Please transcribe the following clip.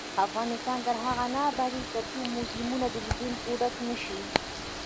افغانستان تر هغو نه ابادیږي، ترڅو موزیمونه د لیدونکو ډک نشي.